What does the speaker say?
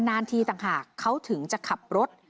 นานทีต่างหากเขาถึงจะขับรถ